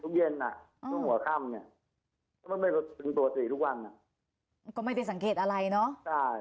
ทุกเย็นน่ะต้องหัวค่ำเนี่ยก็ไม่ได้สังเกตอะไรเนาะ